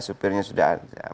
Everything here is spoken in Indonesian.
supirnya sudah ada